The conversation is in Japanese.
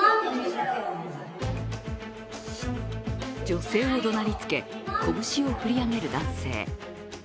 女性をどなりつけ拳を振り上げる男性。